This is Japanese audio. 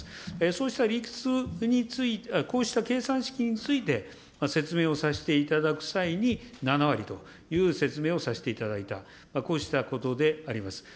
そうした理屈、こうした計算式について、説明をさせていただく際に７割という説明をさせていただいた、こうしたことであります。